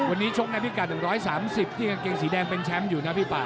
วันนี้ชกในพิกัด๑๓๐ที่กางเกงสีแดงเป็นแชมป์อยู่นะพี่ป่า